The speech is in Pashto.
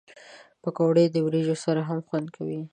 پکورې د وریجو سره هم خوند کوي